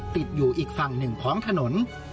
ติดอยู่อีกฝั่งหนึ่งของถนน